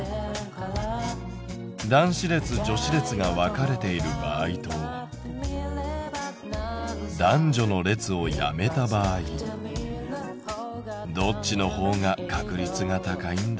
男子列・女子列が分かれている場合と男女の列をやめた場合どっちの方が確率が高いんだろう？